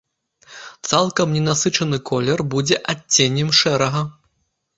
Цалкам ненасычаны колер будзе адценнем шэрага.